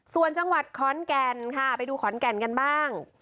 ส่วนจังหวัดขอนแก่นค่ะไปดูขอนแก่นกันบ้าง